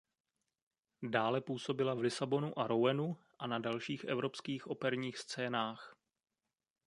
Dále působila v Lisabonu a Rouenu a na dalších evropských operních scénách.